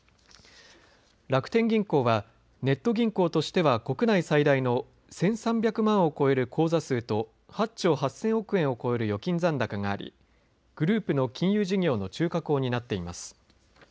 楽天銀行はネット銀行としては国内最大の１３００万を超える口座数と８兆８０００億円を超える預金残高がありグループの金融事業の中核を担っています。